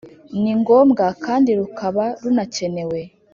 ni ngombwa kandi rukaba runakenewe